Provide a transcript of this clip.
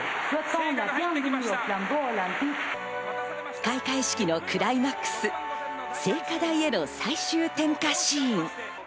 開会式のクライマックス、聖火台への最終点火シーン。